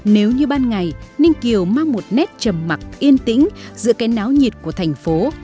nếu như ban ngày ninh kiều mang một nét trầm mặc yên tĩnh giữa cái náo nhiệt của thành phố